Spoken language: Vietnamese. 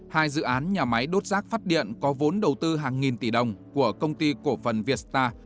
hai dự án nhà máy đốt rác phát điện có vốn đầu tư hàng nghìn tỷ đồng của công ty cổ phần vietstar